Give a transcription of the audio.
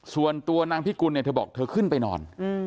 ส่วนตัวนางพิกุลเนี่ยเธอบอกเธอขึ้นไปนอน